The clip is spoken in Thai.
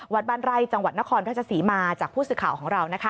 วัดบ้านไร่จังหวัดนครก็จะสีมาจากผู้สึกข่าวของเรา